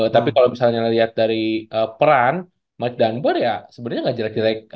tapi kalau misalnya lihat dari peran malik danbar ya sebenarnya nggak jelek jelek